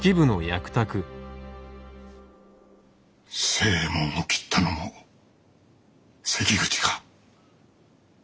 星右衛門を斬ったのも関口か。